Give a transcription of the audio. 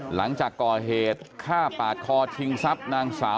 หลังจากก่อเหตุค่าปากคอทิงซับนางสาว